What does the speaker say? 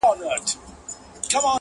نه يې ورك سول په سرونو كي زخمونه؛